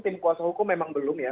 tim kuasa hukum memang belum ya